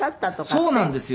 そうなんですよ。